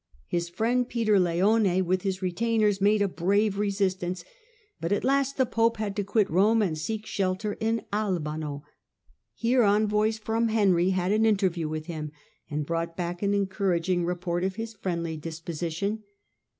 His friend Peter Leone, with his retainers, made a brave resistance, but at last the pope had to quit Rome, and seek shelter in Albano. Here envoys from Henry had an interview with him, and brought back an encouraging report of his friendly disposition.